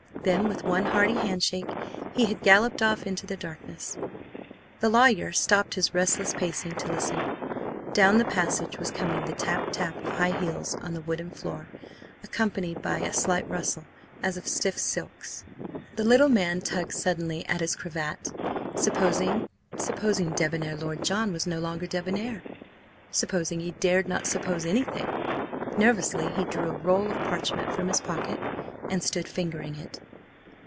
Then with one hearty handshake, he had galloped off into the darkness. ... The lawyer stopped his restless pacing to listen. Down the passage was coming the tap tap of high heels on the wooden floor, accompanied by a slight rustle as of stiff silks. The little man tugged suddenly at his cravat. Supposing–supposing debonair Lord John was no longer debonair? Supposing–he dared not suppose anything. Nervously he drew a roll of parchment from his pocket and stood fingering it.